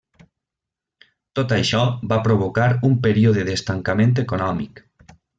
Tot això va provocar un període d'estancament econòmic.